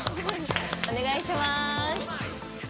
おねがいします。